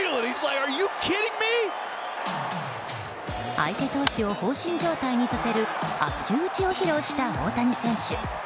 相手投手を放心状態にさせる悪球打ちを披露した大谷選手。